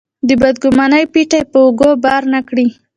د بدګمانۍ پېټی په اوږو بار نه کړي.